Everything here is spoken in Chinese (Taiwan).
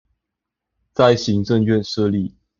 在行政院設立